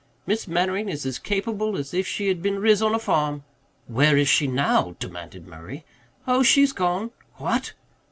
Miss Mannering is as capable as if she had been riz on a farm." "Where is she now?" demanded Murray. "Oh, she's gone." "What?"